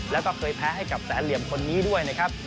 แล้วก็เคยแพ้ให้กับแสนเหลี่ยมคนนี้ด้วยนะครับ